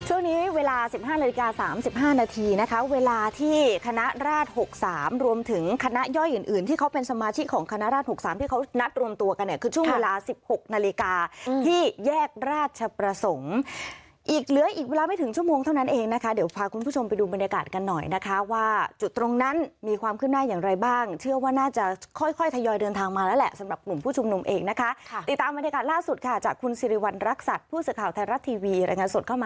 ช่วงนี้เวลาสิบห้านาฬิกาสามสิบห้านาทีนะคะเวลาที่คณะราชหกสามรวมถึงคณะย่อยอื่นอื่นที่เขาเป็นสมาชิกของคณะราชหกสามที่เขานัดรวมตัวกันเนี่ยคือช่วงเวลาสิบหกนาฬิกาที่แยกราชประสงค์อีกเหลืออีกเวลาไม่ถึงชั่วโมงเท่านั้นเองนะคะเดี๋ยวพาคุณผู้ชมไปดูบรรยากาศกันหน่อยนะคะว่าจุดตรง